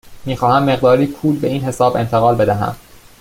می خواهم مقداری پول به این حساب انتقال بدهم.